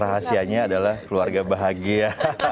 rahasianya adalah keluarga bahagia